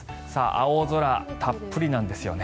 青空、たっぷりなんですよね。